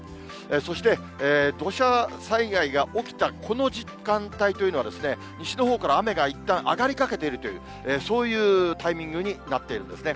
そして土砂災害が起きたこの時間帯というのは、西のほうから雨がいったん上がりかけているという、そういうタイミングになっているんですね。